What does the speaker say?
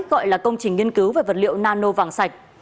gọi là công trình nghiên cứu về vật liệu nano vàng sạch